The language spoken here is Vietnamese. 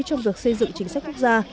trong vượt xây dựng chính sách quốc gia